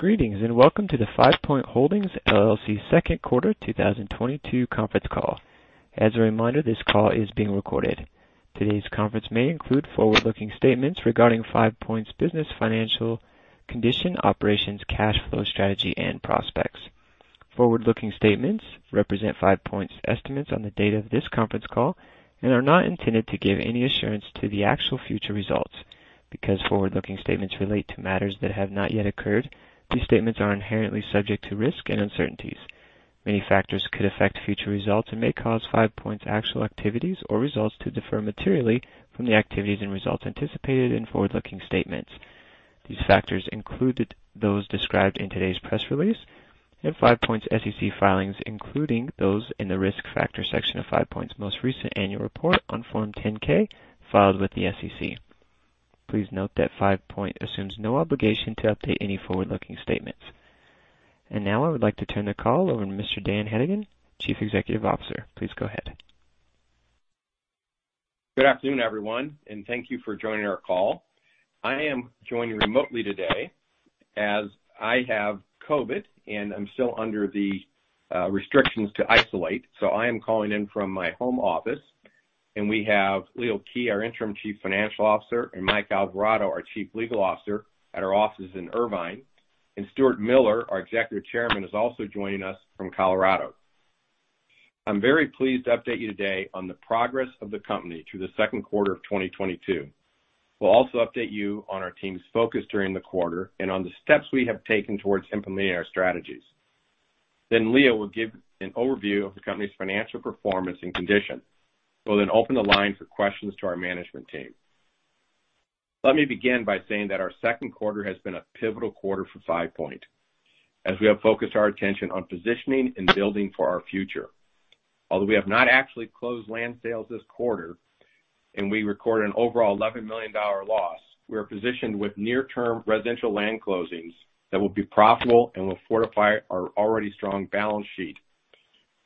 Greetings, and welcome to the Five Point Holdings, LLC Q2 2022 conference call. As a reminder, this call is being recorded. Today's conference may include forward-looking statements regarding Five Point's business, financial condition, operations, cash flow strategy, and prospects. Forward-looking statements represent Five Point's estimates on the date of this conference call and are not intended to give any assurance to the actual future results. Because forward-looking statements relate to matters that have not yet occurred, these statements are inherently subject to risk and uncertainties. Many factors could affect future results and may cause Five Point's actual activities or results to differ materially from the activities and results anticipated in forward-looking statements. These factors include those described in today's press release and Five Point's SEC filings, including those in the Risk Factors section of Five Point's most recent annual report on Form 10-K filed with the SEC. Please note that Five Point assumes no obligation to update any forward-looking statements. Now I would like to turn the call over to Mr. Dan Hedigan, Chief Executive Officer. Please go ahead. Good afternoon, everyone, and thank you for joining our call. I am joining remotely today as I have COVID, and I'm still under the restrictions to isolate. I am calling in from my home office, and we have Leo Kij, our interim Chief Financial Officer, and Mike Alvarado, our Chief Legal Officer, at our offices in Irvine. Stuart Miller, our Executive Chairman, is also joining us from Colorado. I'm very pleased to update you today on the progress of the company through the Q2 of 2022. We'll also update you on our team's focus during the quarter and on the steps we have taken towards implementing our strategies. Leo will give an overview of the company's financial performance and condition. We'll then open the line for questions to our management team. Let me begin by saying that our Q2 has been a pivotal quarter for Five Point, as we have focused our attention on positioning and building for our future. Although we have not actually closed land sales this quarter, and we recorded an overall $11 million loss, we are positioned with near-term residential land closings that will be profitable and will fortify our already strong balance sheet.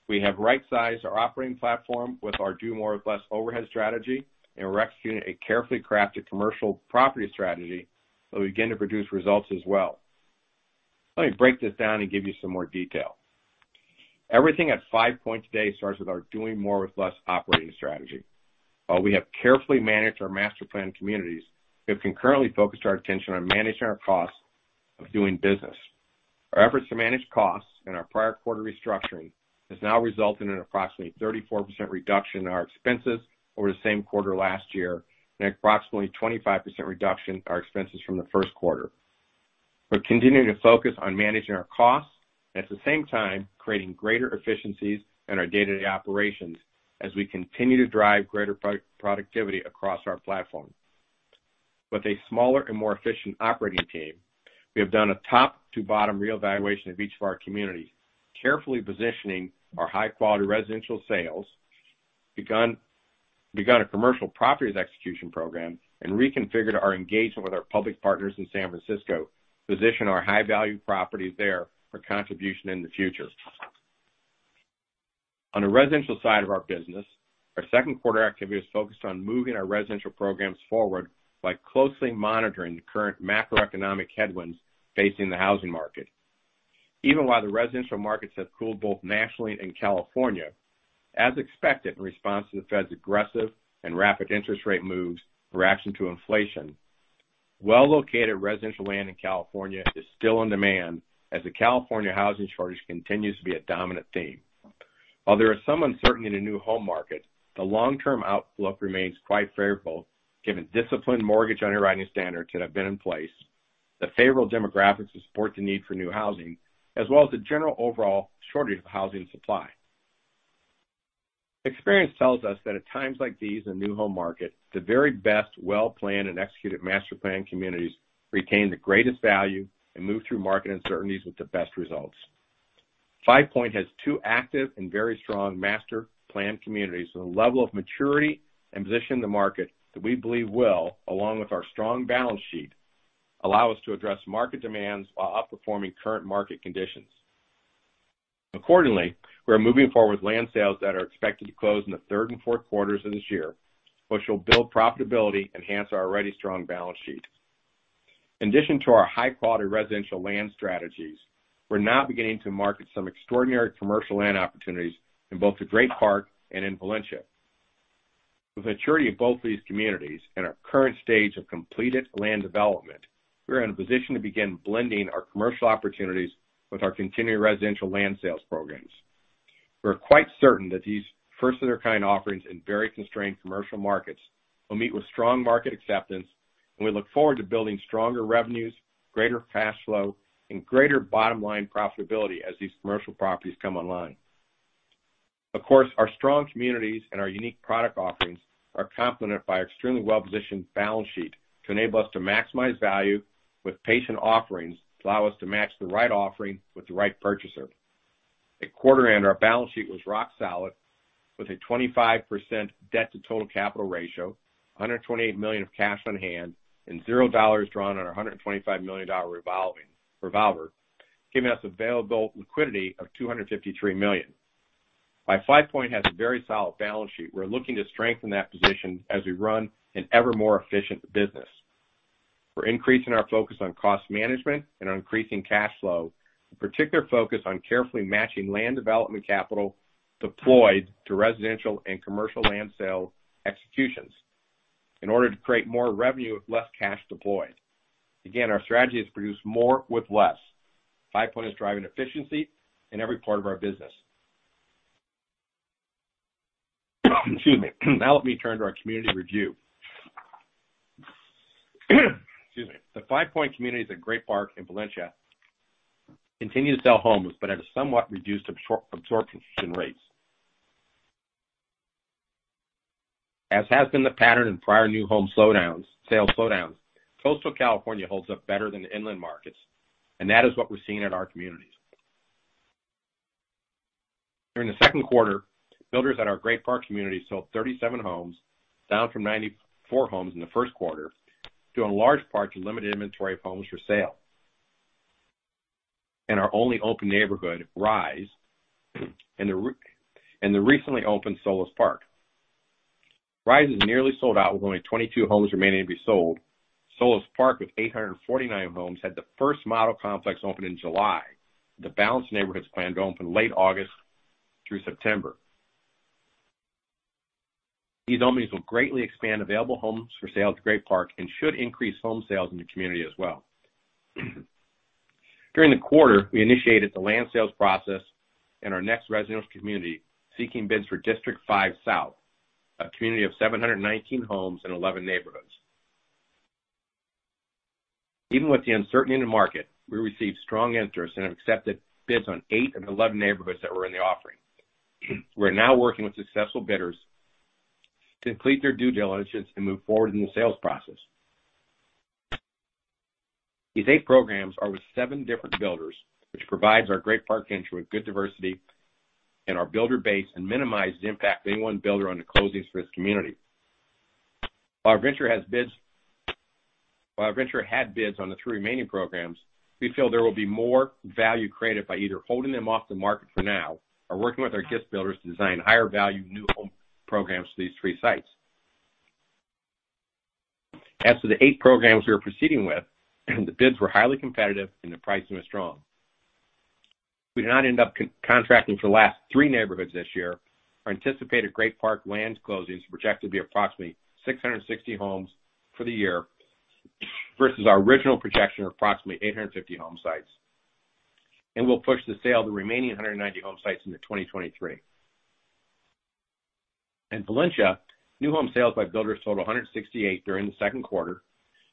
We have right-sized our operating platform with our do more with less overhead strategy, and we're executing a carefully crafted commercial property strategy that will begin to produce results as well. Let me break this down and give you some more detail. Everything at Five Point today starts with our doing more with less operating strategy. While we have carefully managed our master planned communities, we have concurrently focused our attention on managing our costs of doing business. Our efforts to manage costs in our prior quarter restructuring has now resulted in an approximately 34% reduction in our expenses over the same quarter last year, and approximately 25% reduction in our expenses from the Q1. We're continuing to focus on managing our costs, and at the same time, creating greater efficiencies in our day-to-day operations as we continue to drive greater productivity across our platform. With a smaller and more efficient operating team, we have done a top to bottom reevaluation of each of our communities, carefully positioning our high-quality residential sales, begun a commercial properties execution program, and reconfigured our engagement with our public partners in San Francisco to position our high-value properties there for contribution in the future. On the residential side of our business, our Q2 activity was focused on moving our residential programs forward by closely monitoring the current macroeconomic headwinds facing the housing market. Even while the residential markets have cooled both nationally and California, as expected in response to the Fed's aggressive and rapid interest rate moves in reaction to inflation, well-located residential land in California is still in demand as the California housing shortage continues to be a dominant theme. While there is some uncertainty in the new home market, the long-term outlook remains quite favorable given the disciplined mortgage underwriting standards that have been in place, the favorable demographics that support the need for new housing, as well as the general overall shortage of housing supply. Experience tells us that at times like these in the new home market, the very best well-planned and executed master planned communities retain the greatest value and move through market uncertainties with the best results. Five Point has two active and very strong master planned communities with a level of maturity and position in the market that we believe will, along with our strong balance sheet, allow us to address market demands while outperforming current market conditions. Accordingly, we are moving forward with land sales that are expected to close in the third and Q4s of this year, which will build profitability, enhance our already strong balance sheet. In addition to our high-quality residential land strategies, we're now beginning to market some extraordinary commercial land opportunities in both the Great Park and in Valencia. With maturity of both these communities and our current stage of completed land development, we are in a position to begin blending our commercial opportunities with our continuing residential land sales programs. We're quite certain that these first-of-their-kind offerings in very constrained commercial markets will meet with strong market acceptance, and we look forward to building stronger revenues, greater cash flow, and greater bottom-line profitability as these commercial properties come online. Of course, our strong communities and our unique product offerings are complemented by extremely well-positioned balance sheet to enable us to maximize value with patient offerings to allow us to match the right offering with the right purchaser. At quarter end, our balance sheet was rock solid with a 25% debt to total capital ratio, $128 million of cash on hand, and $0 drawn on our $125 million revolver, giving us available liquidity of $253 million. While Five Point has a very solid balance sheet, we're looking to strengthen that position as we run an ever more efficient business. We're increasing our focus on cost management and on increasing cash flow, with particular focus on carefully matching land development capital deployed to residential and commercial land sale executions in order to create more revenue with less cash deployed. Again, our strategy is to produce more with less. Five Point is driving efficiency in every part of our business. Excuse me. Now let me turn to our community review. Excuse me. The Five Point communities at Great Park and in Valencia continue to sell homes but at a somewhat reduced absorption rates. As has been the pattern in prior new home sales slowdowns, coastal California holds up better than the inland markets, and that is what we're seeing at our communities. During the Q2, builders at our Great Park community sold 37 homes, down from 94 homes in the Q1, due in large part to limited inventory of homes for sale. In our only open neighborhood, Rise, and the recently opened Solis Park. Rise is nearly sold out with only 22 homes remaining to be sold. Solis Park, with 849 homes, had the first model complex open in July. The balance of neighborhoods planned to open late August through September. These openings will greatly expand available homes for sale in Great Park and should increase home sales in the community as well. During the quarter, we initiated the land sales process in our next residential community, seeking bids for District Five South, a community of 719 homes and 11 neighborhoods. Even with the uncertainty in the market, we received strong interest and have accepted bids on 8 of 11 neighborhoods that were in the offering. We're now working with successful bidders to complete their due diligence and move forward in the sales process. These eight programs are with seven different builders, which provides our Great Park venture with good diversity in our builder base and minimizes the impact of any one builder on the closings for this community. While our venture has bids... While our venture had bids on the three remaining programs, we feel there will be more value created by either holding them off the market for now or working with our custom builders to design higher-value new home programs for these three sites. As for the eight programs we are proceeding with, the bids were highly competitive and the pricing was strong. If we do not end up contracting for the last three neighborhoods this year, our anticipated Great Park land closings are projected to be approximately 660 homes for the year versus our original projection of approximately 850 home sites, and we'll push the sale of the remaining 190 home sites into 2023. In Valencia, new home sales by builders sold 168 during the Q2,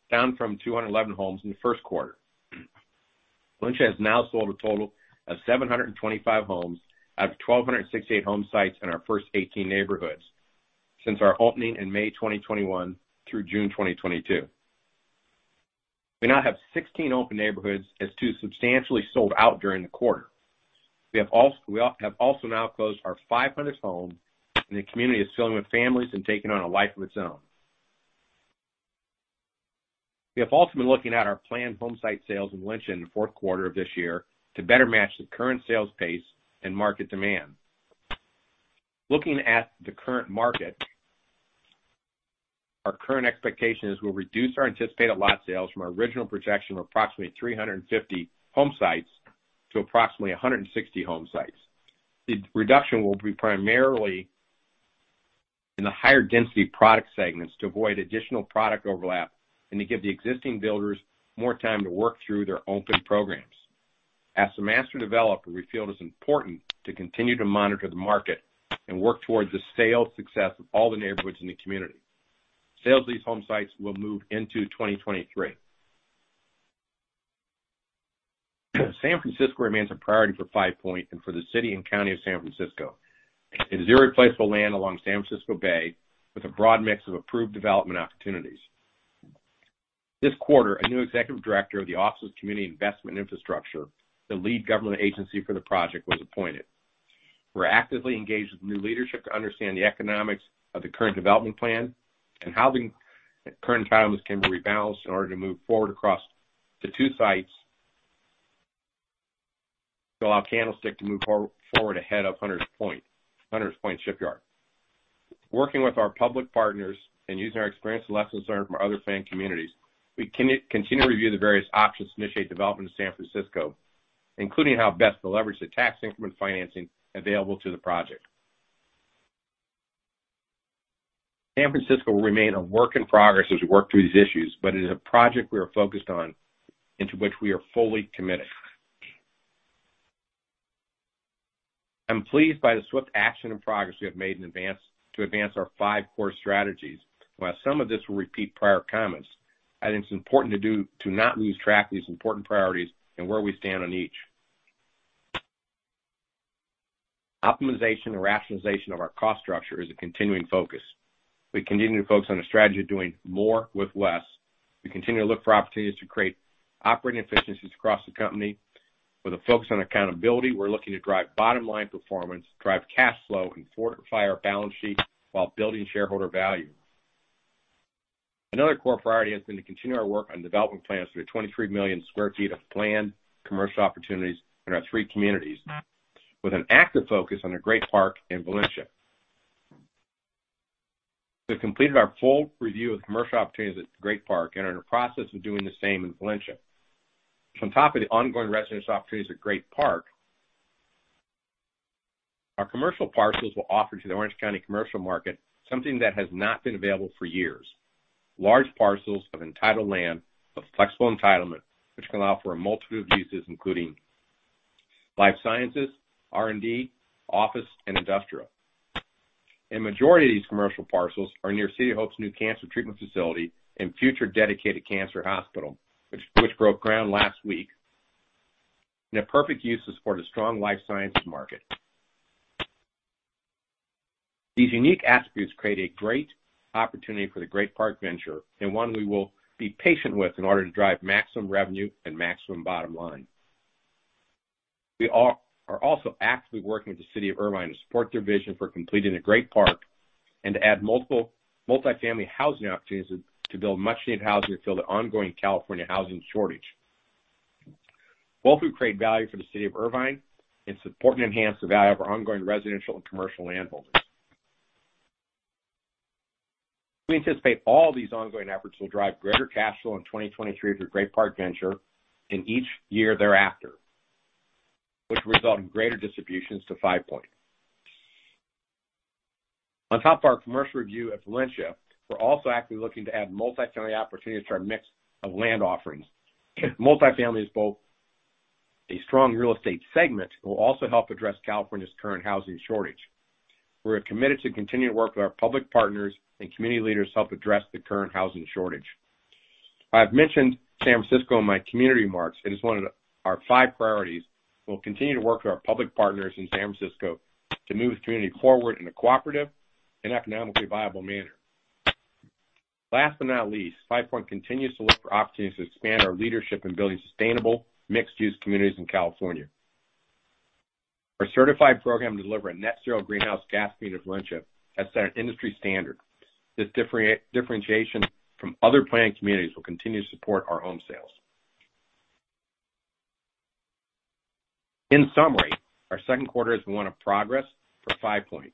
down from 211 homes in the Q1. Valencia has now sold a total of 725 homes out of 1,268 home sites in our first 18 neighborhoods since our opening in May 2021 through June 2022. We now have 16 open neighborhoods as two substantially sold out during the quarter. We have also now closed our 500th home, and the community is filling with families and taking on a life of its own. We have also been looking at our planned home site sales in Valencia in the Q4 of this year to better match the current sales pace and market demand. Looking at the current market, our current expectation is we'll reduce our anticipated lot sales from our original projection of approximately 350 home sites to approximately 160 home sites. The reduction will be primarily in the higher density product segments to avoid additional product overlap and to give the existing builders more time to work through their open programs. As the master developer, we feel it is important to continue to monitor the market and work towards the sales success of all the neighborhoods in the community. Sales of these home sites will move into 2023. San Francisco remains a priority for Five Point and for the City and County of San Francisco. It is irreplaceable land along San Francisco Bay with a broad mix of approved development opportunities. This quarter, a new executive director of the Office of Community Investment and Infrastructure, the lead government agency for the project, was appointed. We're actively engaged with new leadership to understand the economics of the current development plan and how the current timelines can be rebalanced in order to move forward across the two sites to allow Candlestick to move forward ahead of Hunters Point Shipyard. Working with our public partners and using our experience and lessons learned from our other planned communities, we continue to review the various options to initiate development in San Francisco, including how best to leverage the Tax Increment Financing available to the project. San Francisco will remain a work in progress as we work through these issues, but it is a project we are focused on and to which we are fully committed. I'm pleased by the swift action and progress we have made to advance our five core strategies. While some of this will repeat prior comments, I think it's important to not lose track of these important priorities and where we stand on each. Optimization and rationalization of our cost structure is a continuing focus. We continue to focus on a strategy of doing more with less. We continue to look for opportunities to create operating efficiencies across the company. With a focus on accountability, we're looking to drive bottom-line performance, drive cash flow, and fortify our balance sheet while building shareholder value. Another core priority has been to continue our work on development plans for the 23 million sq ft of planned commercial opportunities in our three communities, with an active focus on the Great Park in Valencia. We've completed our full review of commercial opportunities at Great Park and are in the process of doing the same in Valencia. On top of the ongoing residential opportunities at Great Park, our commercial parcels will offer to the Orange County commercial market something that has not been available for years. Large parcels of entitled land with flexible entitlement, which can allow for a multitude of uses, including life sciences, R&D, office, and industrial. Majority of these commercial parcels are near City of Hope's new cancer treatment facility and future dedicated cancer hospital, which broke ground last week, in a perfect location to support a strong life sciences market. These unique attributes create a great opportunity for the Great Park Venture, and one we will be patient with in order to drive maximum revenue and maximum bottom line. We are also actively working with the City of Irvine to support their vision for completing the Great Park and to add multifamily housing opportunities to build much-needed housing to fill the ongoing California housing shortage. Both will create value for the City of Irvine and support and enhance the value of our ongoing residential and commercial landholdings. We anticipate all these ongoing efforts will drive greater cash flow in 2023 through Great Park Venture and each year thereafter, which result in greater distributions to Five Point. On top of our commercial revenue at Valencia, we're also actively looking to add multifamily opportunities to our mix of land offerings. Multifamily is both a strong real estate segment and will also help address California's current housing shortage. We're committed to continuing to work with our public partners and community leaders to help address the current housing shortage. I've mentioned San Francisco in my community remarks, and it's one of our five priorities. We'll continue to work with our public partners in San Francisco to move the community forward in a cooperative and economically viable manner. Last but not least, Five Point continues to look for opportunities to expand our leadership in building sustainable mixed-use communities in California. Our certified program to deliver a net zero greenhouse gas for Valencia has set an industry standard. This differentiation from other planned communities will continue to support our home sales. In summary, our Q2 is one of progress for Five Point.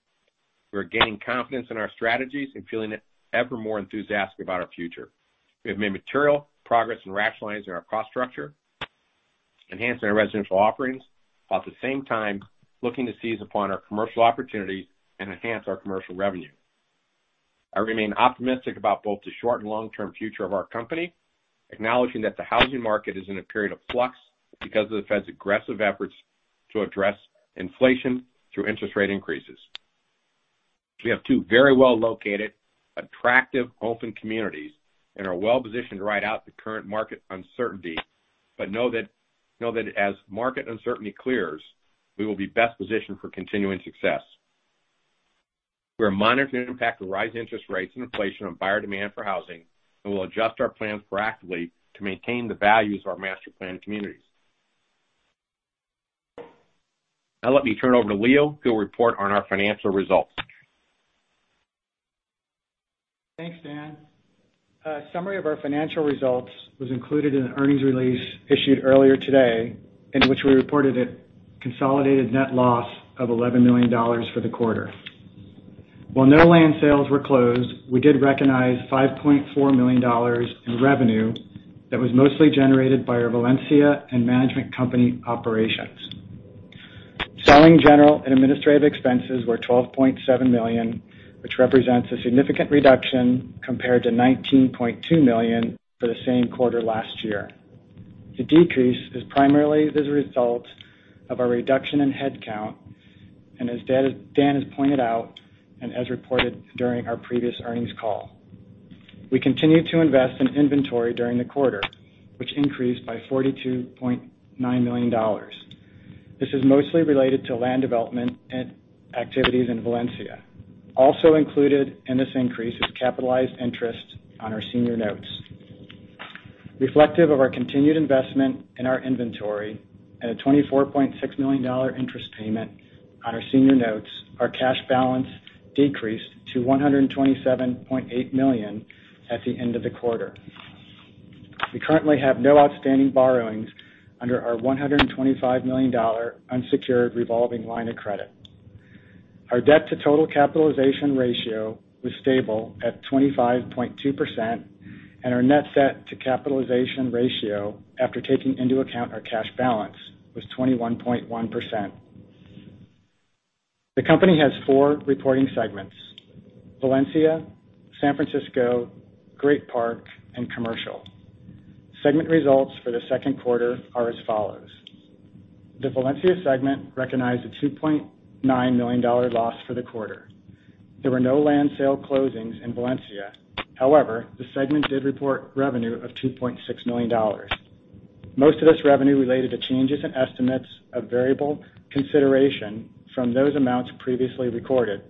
We're gaining confidence in our strategies and feeling ever more enthusiastic about our future. We have made material progress in rationalizing our cost structure, enhancing our residential offerings, while at the same time looking to seize upon our commercial opportunities and enhance our commercial revenue. I remain optimistic about both the short and long-term future of our company, acknowledging that the housing market is in a period of flux because of the Fed's aggressive efforts to address inflation through interest rate increases. We have two very well-located, attractive, open communities and are well-positioned to ride out the current market uncertainty, but know that as market uncertainty clears, we will be best positioned for continuing success. We are monitoring the impact of rising interest rates and inflation on buyer demand for housing, and we'll adjust our plans proactively to maintain the values of our master planned communities. Now let me turn over to Leo, who will report on our financial results. Thanks, Dan. A summary of our financial results was included in the earnings release issued earlier today, in which we reported a consolidated net loss of $11 million for the quarter. While no land sales were closed, we did recognize $5.4 million in revenue that was mostly generated by our Valencia and management company operations. Selling, general, and administrative expenses were $12.7 million, which represents a significant reduction compared to $19.2 million for the same quarter last year. The decrease is primarily as a result of a reduction in headcount, and as Dan has pointed out, and as reported during our previous earnings call. We continued to invest in inventory during the quarter, which increased by $42.9 million. This is mostly related to land development and activities in Valencia. Also included in this increase is capitalized interest on our senior notes. Reflective of our continued investment in our inventory at a $24.6 million interest payment on our senior notes, our cash balance decreased to $127.8 million at the end of the quarter. We currently have no outstanding borrowings under our $125 million unsecured revolving line of credit. Our debt-to-total capitalization ratio was stable at 25.2%, and our net debt to capitalization ratio, after taking into account our cash balance, was 21.1%. The company has four reporting segments. Valencia, San Francisco, Great Park, and Commercial. Segment results for the Q2 are as follows. The Valencia segment recognized a $2.9 million loss for the quarter. There were no land sale closings in Valencia. However, the segment did report revenue of $2.6 million. Most of this revenue related to changes in estimates of variable consideration from those amounts previously recorded.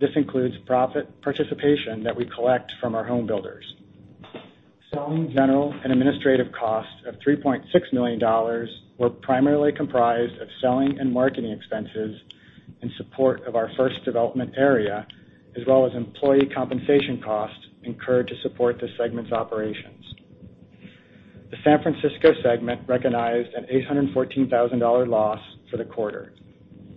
This includes profit participation that we collect from our home builders. Selling, General, and Administrative costs of $3.6 million were primarily comprised of selling and marketing expenses in support of our first development area, as well as employee compensation costs incurred to support the segment's operations. The San Francisco segment recognized an $814,000 loss for the quarter.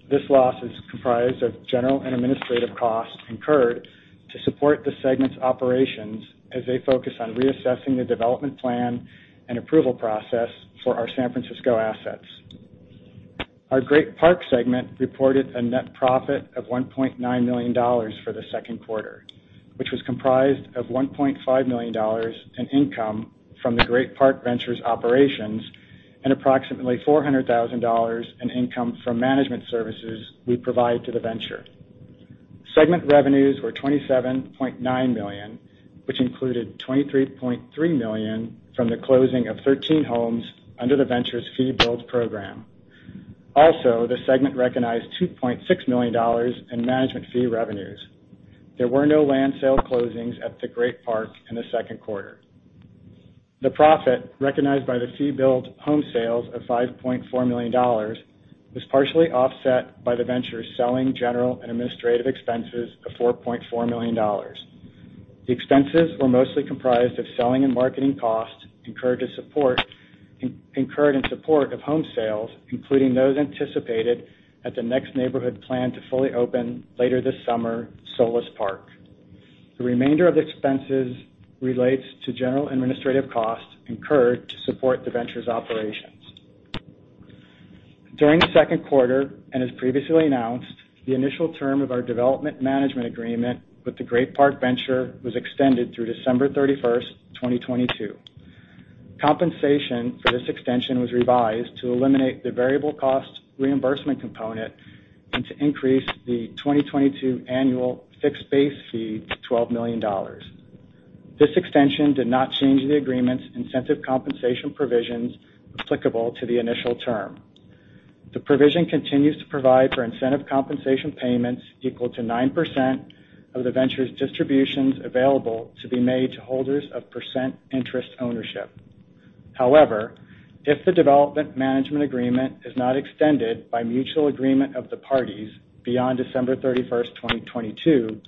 This loss is comprised of general and administrative costs incurred to support the segment's operations as they focus on reassessing the development plan and approval process for our San Francisco assets. Our Great Park segment reported a net profit of $1.9 million for the Q2, which was comprised of $1.5 million in income from the Great Park Venture's operations and approximately $400,000 in income from management services we provide to the venture. Segment revenues were $27.9 million, which included $23.3 million from the closing of 13 homes under the venture's fee build program. Also, the segment recognized $2.6 million in management fee revenues. There were no land sale closings at the Great Park in the Q2. The profit recognized by the fee build home sales of $5.4 million was partially offset by the venture selling, general and administrative expenses of $4.4 million. The expenses were mostly comprised of selling and marketing costs incurred in support of home sales, including those anticipated at the next neighborhood plan to fully open later this summer, Solis Park. The remainder of expenses relates to general administrative costs incurred to support the venture's operations. During the Q2, as previously announced, the initial term of our development management agreement with the Great Park Venture was extended through December 31, 2022. Compensation for this extension was revised to eliminate the variable cost reimbursement component and to increase the 2022 annual fixed base fee to $12 million. This extension did not change the agreement's incentive compensation provisions applicable to the initial term. The provision continues to provide for incentive compensation payments equal to 9% of the venture's distributions available to be made to holders of preferred interest ownership. However, if the development management agreement is not extended by mutual agreement of the parties beyond December 31, 2022,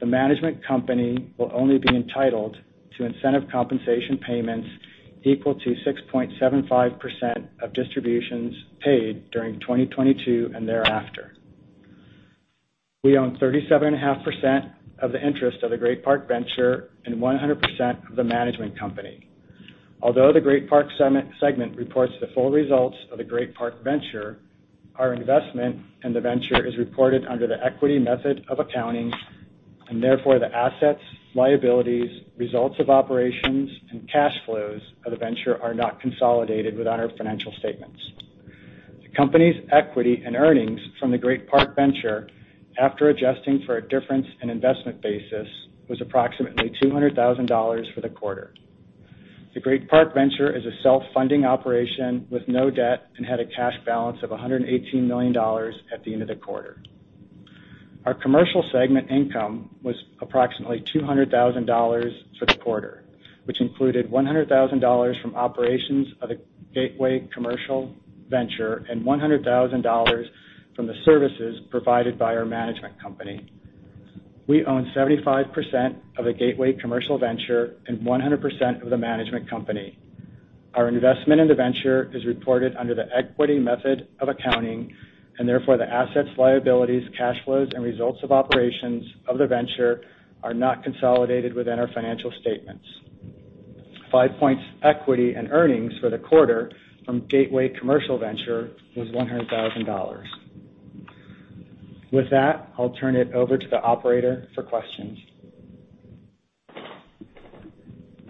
the management company will only be entitled to incentive compensation payments equal to 6.75% of distributions paid during 2022 and thereafter. We own 37.5% of the interest of the Great Park Venture and 100% of the management company. Although the Great Park segment reports the full results of the Great Park Venture, our investment in the venture is reported under the equity method of accounting, and therefore the assets, liabilities, results of operations, and cash flows of the venture are not consolidated within our financial statements. The company's equity and earnings from the Great Park Venture, after adjusting for a difference in investment basis, was approximately $200,000 for the quarter. The Great Park Venture is a self-funding operation with no debt and had a cash balance of $118 million at the end of the quarter. Our commercial segment income was approximately $200,000 for the quarter, which included $100,000 from operations of the Gateway Commercial Venture and $100,000 from the services provided by our management company. We own 75% of the Gateway Commercial Venture and 100% of the management company. Our investment in the venture is reported under the equity method of accounting, and therefore the assets, liabilities, cash flows, and results of operations of the venture are not consolidated within our financial statements. Five Point's equity and earnings for the quarter from Gateway Commercial Venture was $100,000. With that, I'll turn it over to the operator for questions.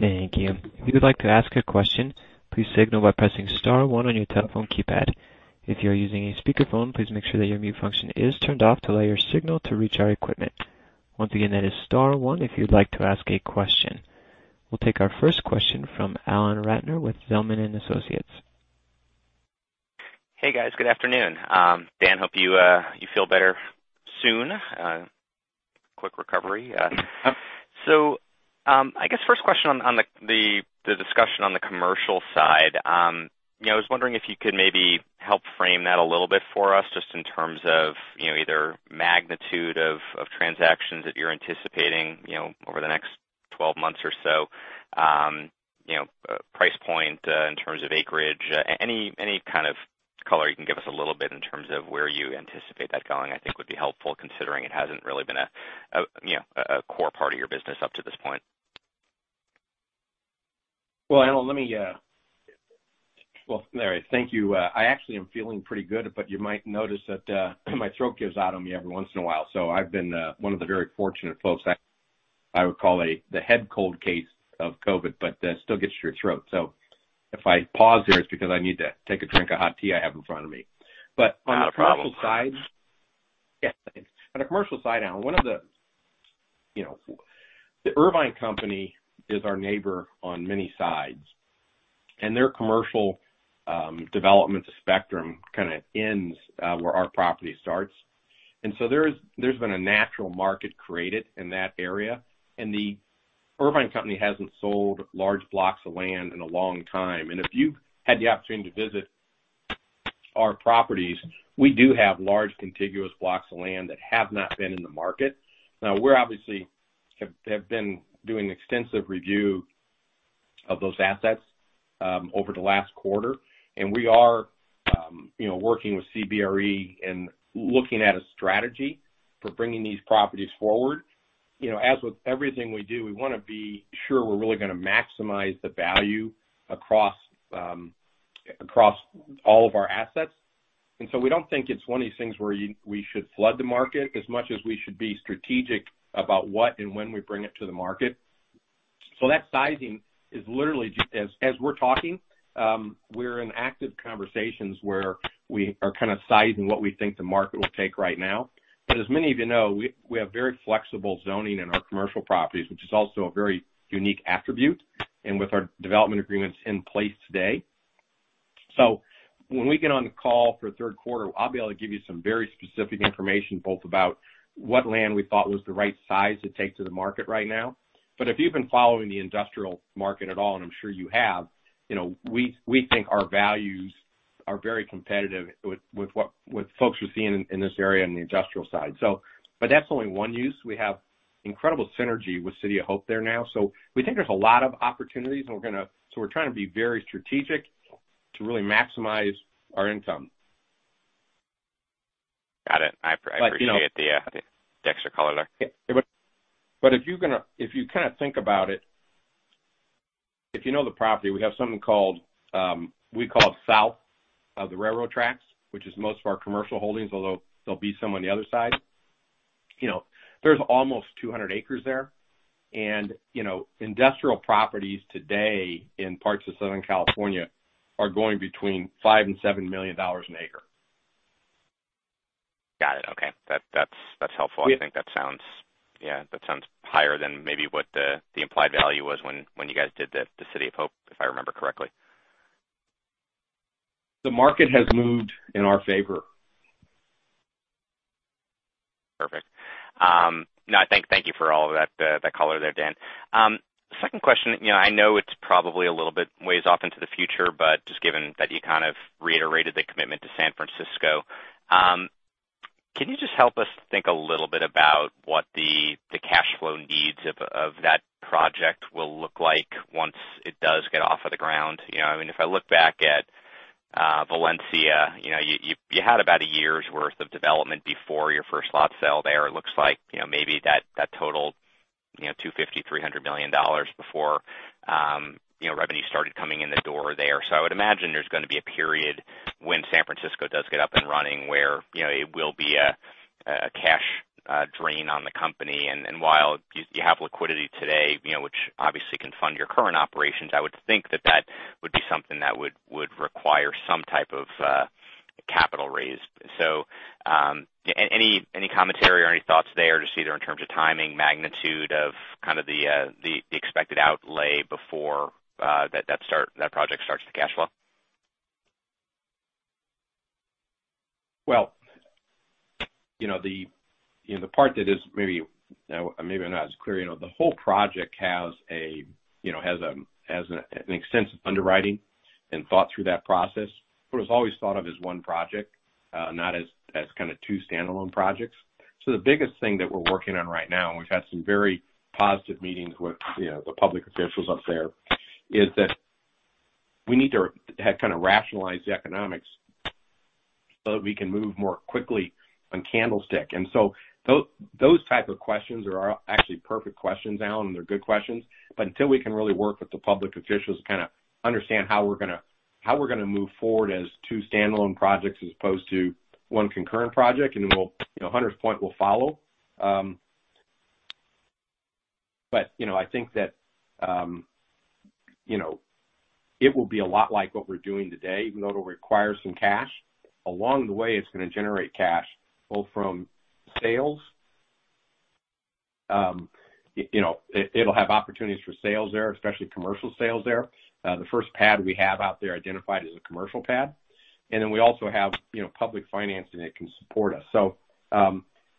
Thank you. If you would like to ask a question, please signal by pressing star one on your telephone keypad. If you're using a speakerphone, please make sure that your mute function is turned off to allow your signal to reach our equipment. Once again, that is star one if you'd like to ask a question. We'll take our first question from Alan Ratner with Zelman & Associates. Hey, guys. Good afternoon. Dan, hope you feel better soon. Quick recovery. I guess first question on the discussion on the commercial side. You know, I was wondering if you could maybe help frame that a little bit for us just in terms of, you know, either magnitude of transactions that you're anticipating, you know, over the next 12 months or so. You know, price point, in terms of acreage, any kind of color you can give us a little bit in terms of where you anticipate that going, I think would be helpful, considering it hasn't really been a, you know, a core part of your business up to this point. Well, Alan, thank you. I actually am feeling pretty good, but you might notice that my throat gives out on me every once in a while. I've been one of the very fortunate folks that I would call the head cold case of COVID, but still gets to your throat. If I pause there, it's because I need to take a drink of hot tea I have in front of me. Not a problem. Yes, thanks. On the commercial side, Alan, one of the, you know, the Irvine Company is our neighbor on many sides. Their commercial development spectrum kind of ends where our property starts. There's been a natural market created in that area. The Irvine Company hasn't sold large blocks of land in a long time. If you've had the opportunity to visit our properties, we do have large contiguous blocks of land that have not been in the market. Now we've obviously have been doing extensive review of those assets over the last quarter, and we are you know working with CBRE and looking at a strategy for bringing these properties forward. You know, as with everything we do, we wanna be sure we're really gonna maximize the value across all of our assets. We don't think it's one of these things where we should flood the market as much as we should be strategic about what and when we bring it to the market. That sizing is literally just as we're talking, we're in active conversations where we are kind of sizing what we think the market will take right now. As many of you know, we have very flexible zoning in our commercial properties, which is also a very unique attribute, and with our development agreements in place today. When we get on the call for Q3, I'll be able to give you some very specific information, both about what land we thought was the right size to take to the market right now. If you've been following the industrial market at all, and I'm sure you have, you know, we think our values are very competitive with what folks are seeing in this area on the industrial side. That's only one use. We have incredible synergy with City of Hope there now. We think there's a lot of opportunities and we're gonna. We're trying to be very strategic to really maximize our income. Got it. I appreciate. You know. The extra color there. If you kind of think about it, if you know the property, we have something called, we call south of the railroad tracks, which is most of our commercial holdings, although there'll be some on the other side. You know, there's almost 200 ac there. You know, industrial properties today in parts of Southern California are going between $5 million and $7 million an acre. Got it. Okay. That's helpful. Yeah. I think that sounds, yeah, that sounds higher than maybe what the implied value was when you guys did the City of Hope, if I remember correctly. The market has moved in our favor. Perfect. No, thank you for all of that color there, Dan. Second question. You know, I know it's probably a little bit ways off into the future, but just given that you kind of reiterated the commitment to San Francisco, can you just help us think a little bit about what the cash flow needs of that project will look like once it does get off of the ground? You know, I mean, if I look back at Valencia, you know, you had about a year's worth of development before your first lot sale there. It looks like, you know, maybe that totaled $250-$300 million before revenue started coming in the door there. I would imagine there's gonna be a period when San Francisco does get up and running where, you know, it will be a cash drain on the company. While you have liquidity today, you know, which obviously can fund your current operations, I would think that would be something that would require some type of capital raise. Any commentary or any thoughts there, just either in terms of timing, magnitude of kind of the expected outlay before that project starts to cash flow? Well, you know, the part that is maybe I'm not as clear. You know, the whole project has an extensive underwriting and thought through that process. It was always thought of as one project, not as kind of two standalone projects. The biggest thing that we're working on right now, and we've had some very positive meetings with the public officials up there, is that we need to kind of rationalize the economics so that we can move more quickly on Candlestick. Those type of questions are actually perfect questions, Alan, and they're good questions, but until we can really work with the public officials to kind of understand how we're gonna move forward as two standalone projects as opposed to one concurrent project, and we'll, you know, Hunter's Point will follow. But you know, I think that, you know, it will be a lot like what we're doing today, even though it'll require some cash. Along the way it's gonna generate cash, both from sales, you know, it'll have opportunities for sales there, especially commercial sales there. The first pad we have out there identified as a commercial pad. We also have, you know, public financing that can support us. I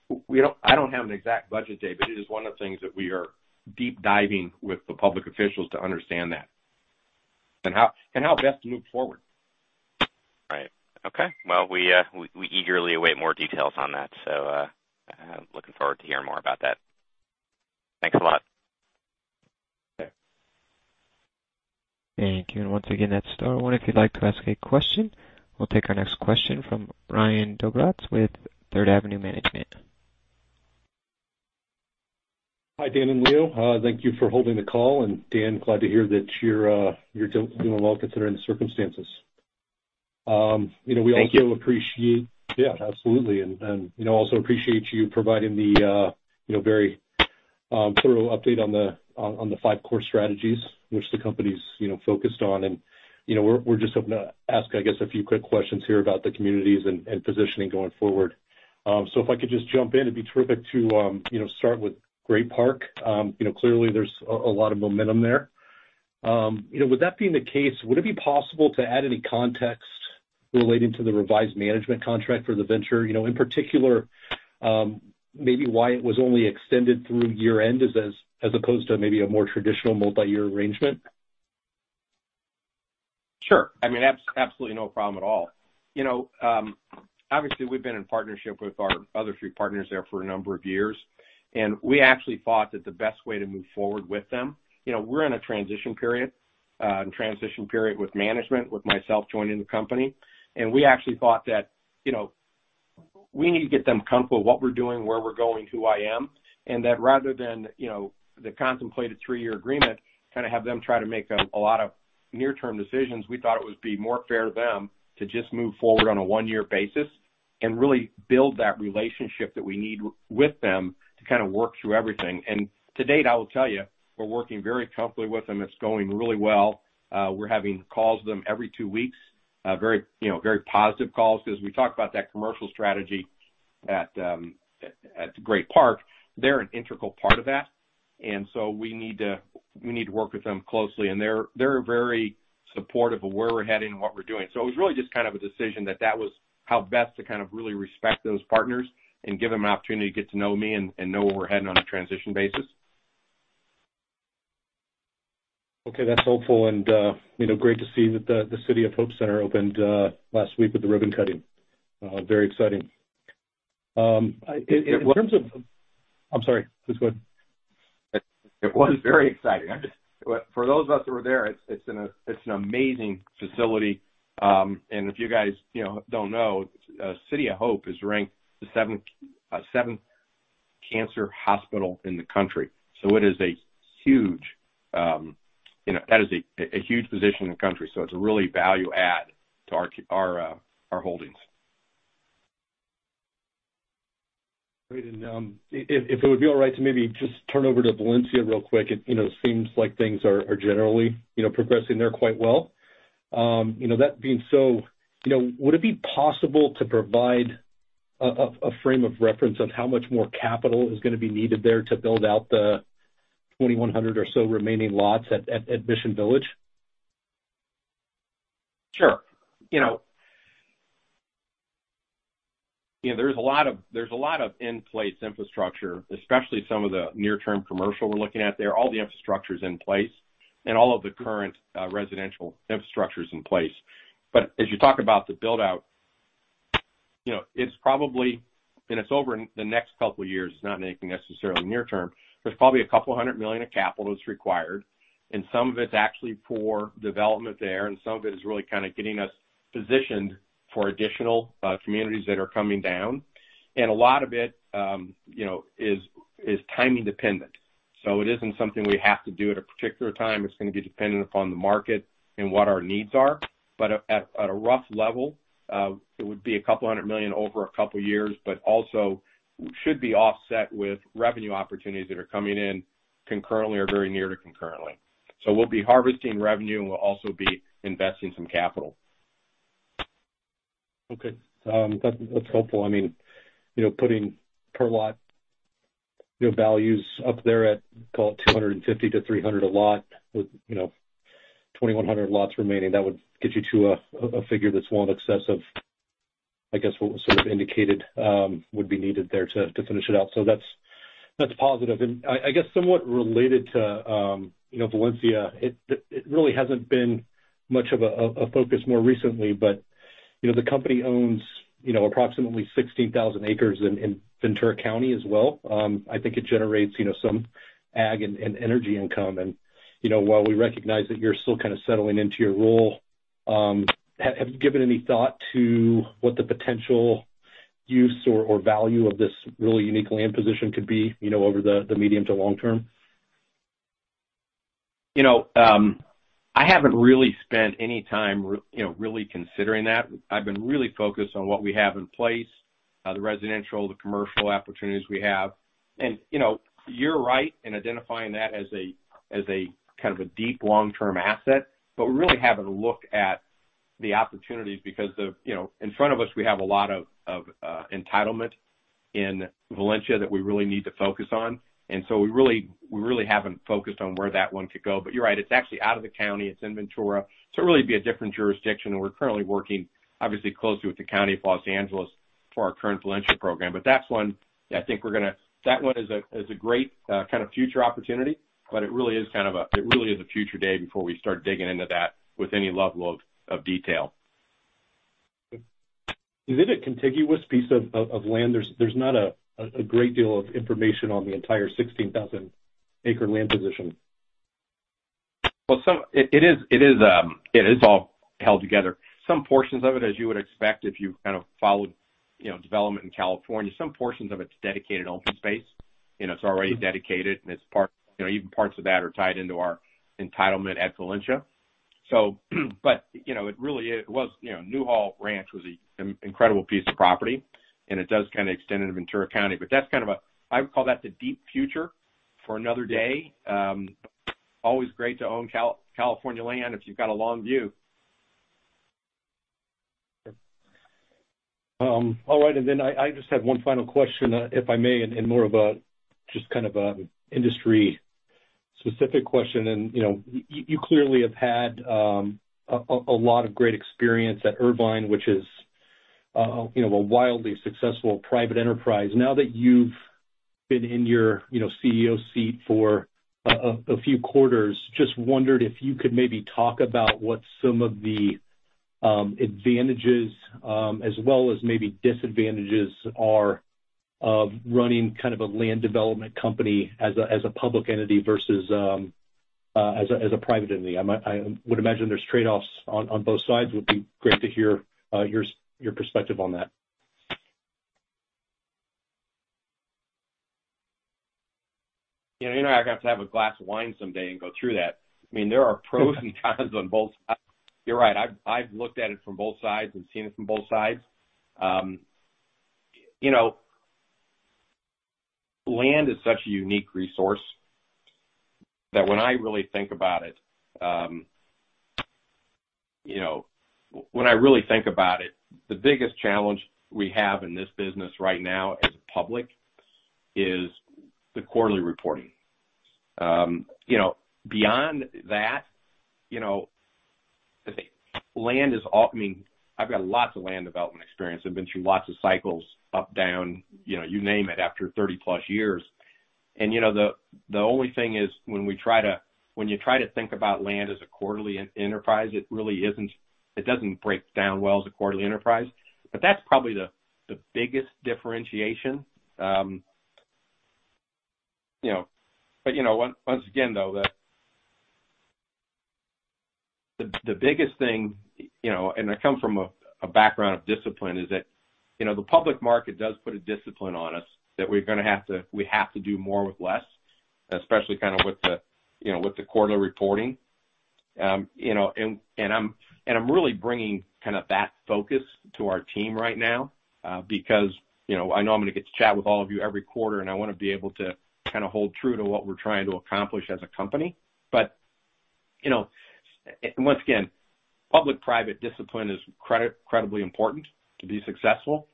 don't have an exact budget date, but it is one of the things that we are deep diving with the public officials to understand that, and how, and how best to move forward. Right. Okay. Well, we eagerly await more details on that, so looking forward to hearing more about that. Thanks a lot. Okay. Thank you. Once again, that's star one if you'd like to ask a question. We'll take our next question from Ryan Dobrott with Third Avenue Management. Hi, Dan and Leo. Thank you for holding the call. Dan, glad to hear that you're doing well considering the circumstances. You know Thank you. We also appreciate. Yeah, absolutely. We also appreciate you providing the, you know, very thorough update on the five core strategies which the company's, you know, focused on. You know, we're just hoping to ask a few quick questions here about the communities and positioning going forward. If I could just jump in, it'd be terrific to, you know, start with Great Park. You know, clearly there's a lot of momentum there. You know, with that being the case, would it be possible to add any context relating to the revised management contract for the venture. You know, in particular, maybe why it was only extended through year-end as opposed to maybe a more traditional multi-year arrangement. Sure. I mean, absolutely no problem at all. You know, obviously, we've been in partnership with our other three partners there for a number of years, and we actually thought that the best way to move forward with them. You know, we're in a transition period with management, with myself joining the company. We actually thought that, you know, we need to get them comfortable with what we're doing, where we're going, who I am, and that rather than, you know, the contemplated three-year agreement, kind of have them try to make a lot of near-term decisions. We thought it would be more fair to them to just move forward on a one-year basis and really build that relationship that we need with them to kind of work through everything. To date, I will tell you, we're working very comfortably with them. It's going really well. We're having calls with them every two weeks, very, you know, very positive calls because we talk about that commercial strategy at Great Park. They're an integral part of that. We need to work with them closely. They're very supportive of where we're heading and what we're doing. It was really just kind of a decision that was how best to kind of really respect those partners and give them an opportunity to get to know me and know where we're heading on a transition basis. Okay, that's helpful. You know, great to see that the City of Hope Center opened last week with the ribbon cutting. Very exciting. I'm sorry. Please go ahead. It was very exciting. For those of us who were there, it's an amazing facility. If you guys, you know, don't know, City of Hope is ranked the seventh cancer hospital in the country. It is a huge, you know, that is a huge position in the country. It's a really value add to our holdings. Great. If it would be all right to maybe just turn over to Valencia real quick. It you know seems like things are generally you know progressing there quite well. You know that being so you know would it be possible to provide a frame of reference on how much more capital is gonna be needed there to build out the 2,100 or so remaining lots at Mission Village? Sure. You know, there's a lot of in-place infrastructure, especially some of the near-term commercial we're looking at there. All the infrastructure's in place and all of the current residential infrastructure's in place. But as you talk about the build-out, you know, it's probably over the next couple of years. It's not anything necessarily near term. There's probably $200 million of capital that's required, and some of it's actually for development there, and some of it is really kind of getting us positioned for additional communities that are coming down. A lot of it, you know, is timing dependent. It isn't something we have to do at a particular time. It's gonna be dependent upon the market and what our needs are. At a rough level, it would be $200 million over two years, but also should be offset with revenue opportunities that are coming in concurrently or very near to concurrently. We'll be harvesting revenue, and we'll also be investing some capital. Okay. That's helpful. I mean, you know, putting per lot, you know, values up there at, call it $250-$300 a lot with, you know, 2,100 lots remaining, that would get you to a figure that's well in excess of, I guess, what was sort of indicated would be needed there to finish it out. That's positive. I guess somewhat related to, you know, Valencia, it really hasn't been much of a focus more recently, but, you know, the company owns, you know, approximately 16,000 ac in Ventura County as well. I think it generates, you know, some ag and energy income. You know, while we recognize that you're still kind of settling into your role, have you given any thought to what the potential use or value of this really unique land position could be, you know, over the medium to long term? You know, I haven't really spent any time you know, really considering that. I've been really focused on what we have in place, the residential, the commercial opportunities we have. You know, you're right in identifying that as a kind of a deep long-term asset, but we're really having to look at the opportunities because of, you know, in front of us, we have a lot of entitlement in Valencia that we really need to focus on. We really haven't focused on where that one could go. You're right, it's actually out of the county. It's in Ventura. It'd really be a different jurisdiction, and we're currently working obviously closely with the County of Los Angeles for our current Valencia program. That's one that I think we're gonna. That one is a great kind of future opportunity, but it really is kind of a future date before we start digging into that with any level of detail. Is it a contiguous piece of land? There's not a great deal of information on the entire 16,000-acre land position. Well, it is all held together. Some portions of it, as you would expect if you kind of followed, you know, development in California, some portions of it is dedicated open space, you know, it's already dedicated and it's part, you know, even parts of that are tied into our entitlement at Valencia. But, you know, it really is, was, you know, Newhall Ranch was a, an incredible piece of property and it does kind of extend into Ventura County. But that's kind of a. I would call that the deep future for another day. Always great to own California land if you've got a long view. All right. I just have one final question, if I may, and more of a just kind of a industry specific question. You know, you clearly have had a lot of great experience at Irvine, which is, you know, a wildly successful private enterprise. Now that you've been in your, you know, Chief Executive Officer seat for a few quarters, just wondered if you could maybe talk about what some of the advantages, as well as maybe disadvantages are of running kind of a land development company as a public entity versus, as a private entity. I would imagine there's trade-offs on both sides. Would be great to hear your perspective on that. You know, I have to have a glass of wine someday and go through that. I mean, there are pros and cons on both sides. You're right. I've looked at it from both sides and seen it from both sides. You know, land is such a unique resource that when I really think about it, you know, when I really think about it, the biggest challenge we have in this business right now as public is the quarterly reporting. You know, beyond that, you know, land is I mean, I've got lots of land development experience. I've been through lots of cycles, up, down, you know, you name it, after 30+ years. You know, the only thing is when you try to think about land as a quarterly enterprise, it really isn't. It doesn't break down well as a quarterly enterprise. That's probably the biggest differentiation. You know once again though the biggest thing you know and I come from a background of discipline is that you know the public market does put a discipline on us that we have to do more with less especially kind of with the you know with the quarterly reporting. You know and I'm really bringing kind of that focus to our team right now because you know I know I'm going to get to chat with all of you every quarter and I want to be able to kind of hold true to what we're trying to accomplish as a company. You know once again public private discipline is credibly important to be successful.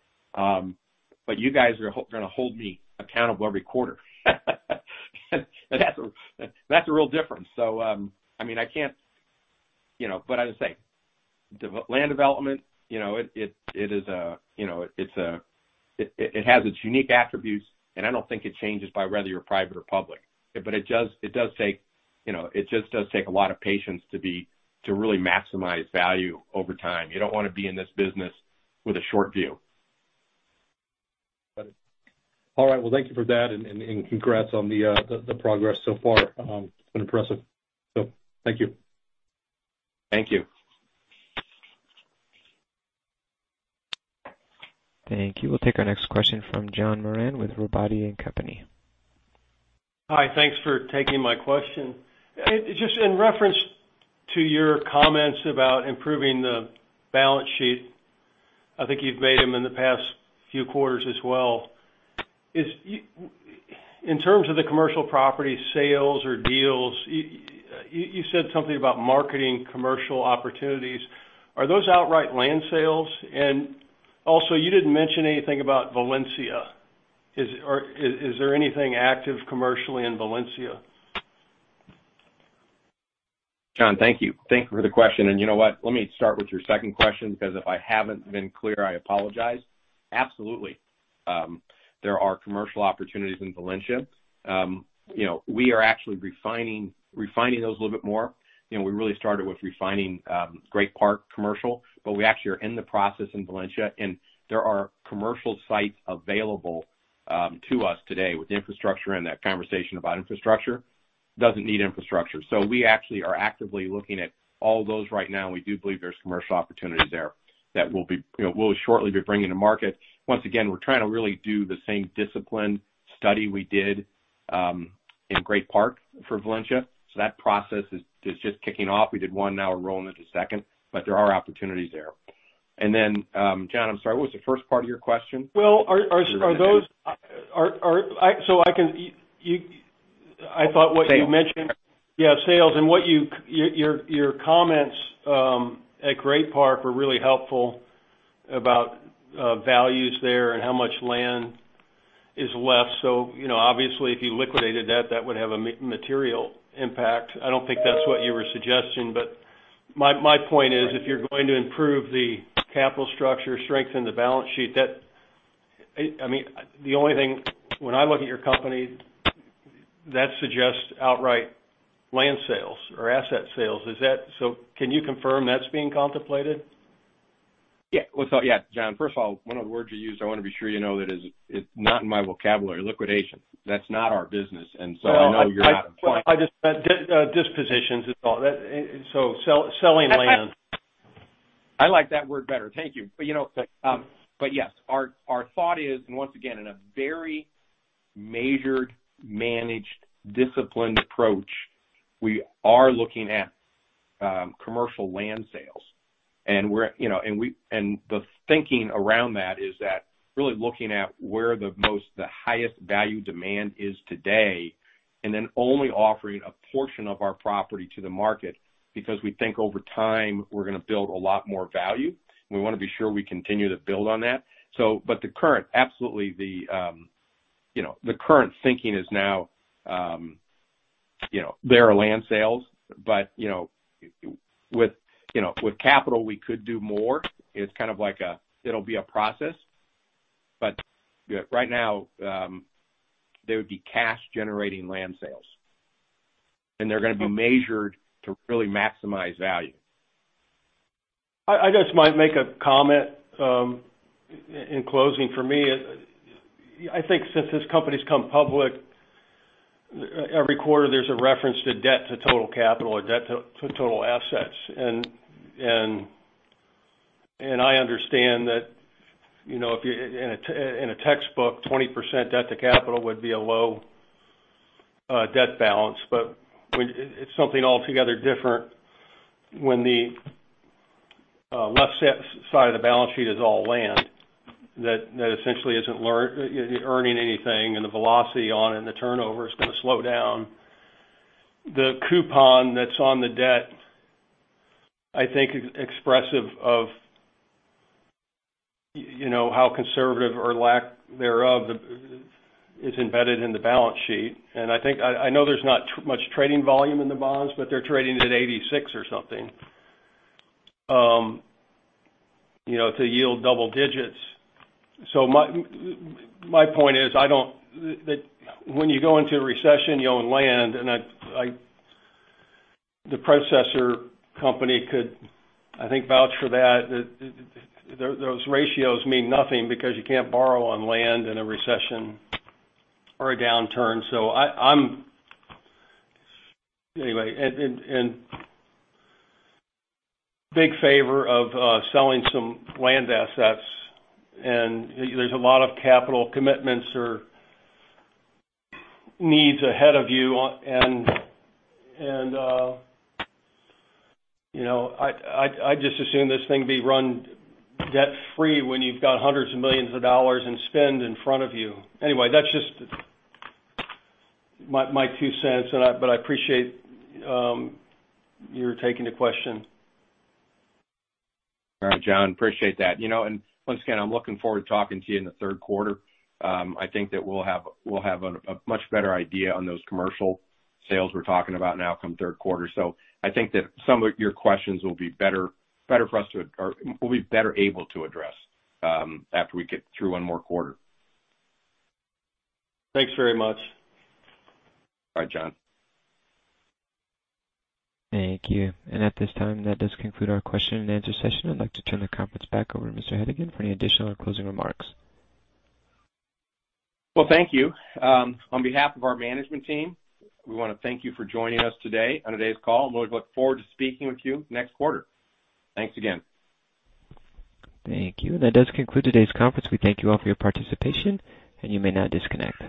You guys are going to hold me accountable every quarter. That's a real difference. I mean, I can't. You know, as I say, land development, you know, it is a, you know, it's a, it has its unique attributes, and I don't think it changes by whether you're private or public. It does take, you know, it just does take a lot of patience to really maximize value over time. You don't want to be in this business with a short view. Got it. All right. Well, thank you for that and congrats on the progress so far. It's been impressive. Thank you. Thank you. Thank you. We'll take our next question from John Moran with Robotti & Company. Hi. Thanks for taking my question. Just in reference to your comments about improving the balance sheet, I think you've made them in the past few quarters as well. In terms of the commercial property sales or deals, you said something about marketing commercial opportunities. Are those outright land sales? Also, you didn't mention anything about Valencia. Is there anything active commercially in Valencia? John, thank you. Thank you for the question. You know what? Let me start with your second question, because if I haven't been clear, I apologize. Absolutely. There are commercial opportunities in Valencia. You know, we are actually refining those a little bit more. You know, we really started with refining Great Park commercial, but we actually are in the process in Valencia, and there are commercial sites available to us today with infrastructure and that conversation about infrastructure. Doesn't need infrastructure. We actually are actively looking at all those right now, and we do believe there's commercial opportunities there that we'll be, you know, we'll shortly be bringing to market. Once again, we're trying to really do the same disciplined study we did in Great Park for Valencia. That process is just kicking off. We did one, now we're rolling into second, but there are opportunities there. John, I'm sorry, what was the first part of your question? Well, so are those. I can, you. I thought what you mentioned. Sales. Yeah, sales. What your comments at Great Park were really helpful about values there and how much land is left. You know, obviously, if you liquidated that would have a material impact. I don't think that's what you were suggesting, but my point is, if you're going to improve the capital structure, strengthen the balance sheet that. I mean, the only thing when I look at your company that suggests outright land sales or asset sales, is that. Can you confirm that's being contemplated? Yeah. Well, so, yeah. John, first of all, one of the words you used, I want to be sure you know, that it's not in my vocabulary, liquidation. That's not our business. I know you're not implying. Well, I just meant dispositions and all that. Selling land. I like that word better. Thank you. You know, but yes, our thought is, and once again, in a very measured, managed, disciplined approach, we are looking at commercial land sales. You know, the thinking around that is that really looking at where the highest value demand is today, and then only offering a portion of our property to the market because we think over time, we're gonna build a lot more value, and we wanna be sure we continue to build on that. Absolutely, you know, the current thinking is now, you know, there are land sales, but, you know, with capital, we could do more. It's kind of like it'll be a process. Right now, there would be cash generating land sales. They're gonna be measured to really maximize value. I just might make a comment in closing. For me, I think since this company's gone public, every quarter, there's a reference to debt to total capital or debt to total assets. I understand that, you know, if in a textbook, 20% debt to capital would be a low debt balance. It's something altogether different when the left side of the balance sheet is all land that essentially isn't earning anything and the velocity on it and the turnover is gonna slow down. The coupon that's on the debt, I think is expressive of, you know, how conservative or lack thereof is embedded in the balance sheet. I think I know there's not much trading volume in the bonds, but they're trading at 86 or something. You know, to yield double digits. My point is that when you go into a recession, you own land. The predecessor company could, I think, vouch for that. Those ratios mean nothing because you can't borrow on land in a recession or a downturn. Anyway, I'm in big favor of selling some land assets, and there's a lot of capital commitments or needs ahead of you. You know, I'd just as soon this thing be run debt-free when you've got hundreds of millions in spend in front of you. Anyway, that's just my two cents, but I appreciate your taking the question. All right, John. Appreciate that. You know, once again, I'm looking forward to talking to you in the Q3. I think that we'll have a much better idea on those commercial sales we're talking about now come Q3. I think that some of your questions will be better for us to, or we'll be better able to address after we get through one more quarter. Thanks very much. Bye, John. Thank you. At this time, that does conclude our Q&A session. I'd like to turn the conference back over to Mr. Hedigan for any additional closing remarks. Well, thank you. On behalf of our management team, we wanna thank you for joining us today on today's call, and we look forward to speaking with you next quarter. Thanks again. Thank you. That does conclude today's conference. We thank you all for your participation, and you may now disconnect.